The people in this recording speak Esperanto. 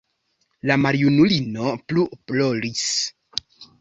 La maljunulino plu ploris.